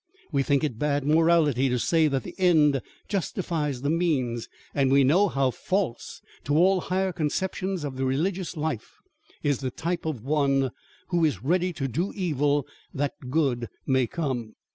We think it bad morality to say that the end justifies the means, and we know how false to all higher conceptions of the religious life is the type of one who is ready to do evil that good may come.